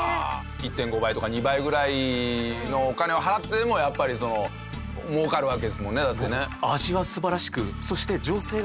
１．５倍とか２倍ぐらいのお金を払ってでもやっぱりそのもうかるわけですもんねだってね。